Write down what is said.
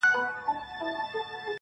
• قربانو زه له پيغورو بېرېږم.